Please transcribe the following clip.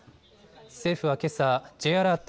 政府はけさ、Ｊアラート